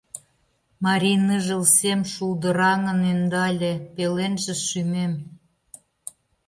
Марий ныжыл сем шулдыраҥын Ӧндале пеленже шӱмем.